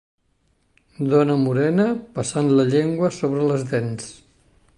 Dona morena passant la llengua sobre les dents.